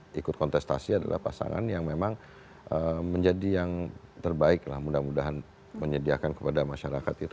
dan yang akan ikut kontestasi adalah pasangan yang memang menjadi yang terbaiklah mudah mudahan menyediakan kepada masyarakat